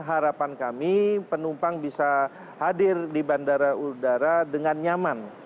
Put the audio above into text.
harapan kami penumpang bisa hadir di bandara udara dengan nyaman